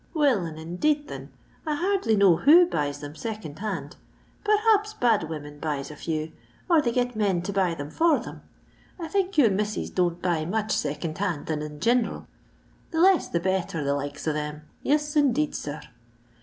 Will and indeed thin, I hardly know who buys theni second hand. Perhaps bad women buys a few, or they get men to buy them for them. I think your misses don't buy much second hand thin in gineral ; the less the better, the likes of them ; yis, indeed, sir.